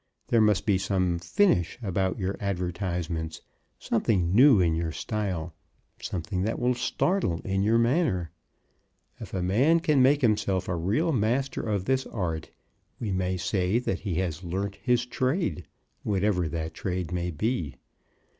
There must be some finish about your advertisements, something new in your style, something that will startle in your manner. If a man can make himself a real master of this art, we may say that he has learnt his trade, whatever that trade may be.